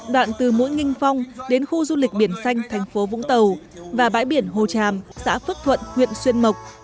đoạn từ mũi nginh phong đến khu du lịch biển xanh thành phố vũng tàu và bãi biển hồ tràm xã phước thuận huyện xuyên mộc